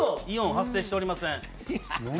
イオン、発生しておりません。